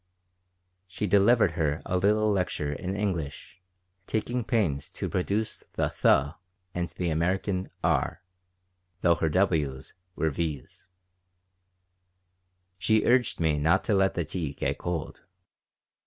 She delivered her a little lecture in English, taking pains to produce the "th" and the American "r," though her "w's" were "v's." She urged me not to let the tea get cold.